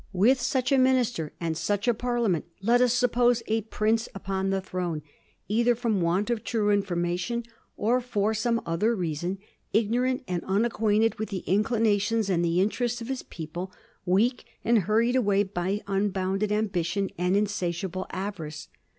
"With such a minister and such a Parliament, let us suppose a prince upon the throne, either from want of true information or for some other reason, ignorant and unacquainted with the inclinations and the interest of his people, weak, and hurried away by unbounded am bition and insatiable avarice.